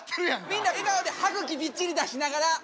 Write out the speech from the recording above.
みんな笑顔で歯茎びっちり出しながら。